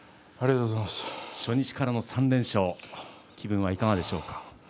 初日からの３連勝気分はいかがでしょうか。